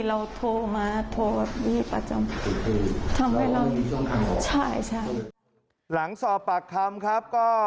เราโทรมาโทรแบบบีประจำ